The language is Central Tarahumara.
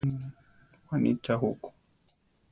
Juanitza juku?